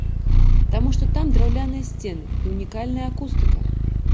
Таму што там драўляныя сцены і ўнікальная акустыка!